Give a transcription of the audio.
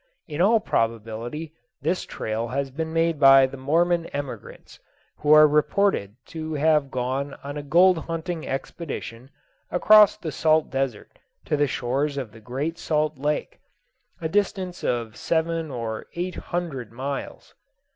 In all probability this trail has been made by the Mormon emigrants, who are reported to have gone on a gold hunting expedition across the salt desert to the shores of the Great Salt Lake, a distance of seven or eight hundred miles.